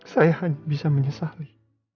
saya hanya bisa menyesali